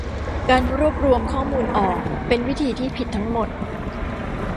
'การรวบรวมข้อมูลออก' เป็นวิธีที่ผิดทั้งหมด